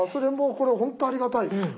これほんとありがたいですよ。